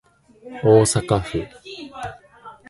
大阪府箕面市